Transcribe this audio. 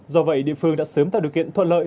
do vậy địa phương đã sớm tạo điều kiện thuận lợi